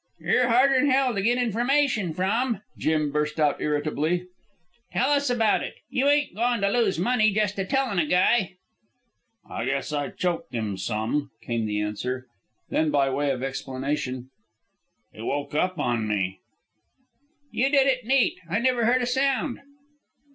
"You're harder'n hell to get information from," Jim burst out irritably. "Tell us about it. You ain't goin' to lose money just a tellin' a guy." "I guess I choked him some," came the answer. Then, by way of explanation, "He woke up on me." "You did it neat. I never heard a sound."